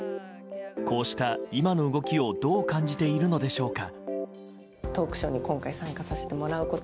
こうした今の動きをどう感じているのでしょうか。